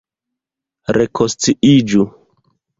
Rekonsciiĝu!